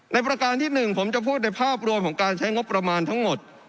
ประการที่๑ผมจะพูดในภาพรวมของการใช้งบประมาณทั้งหมด